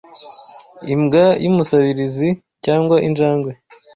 Imbwa y'Umusabirizi cyangwa Injangwe